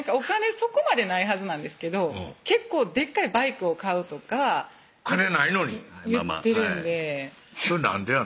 そこまでないはずなんですけど結構でっかいバイクを買うとか金無いのにはいそれなんでやの？